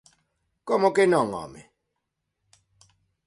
¿Como que non, home?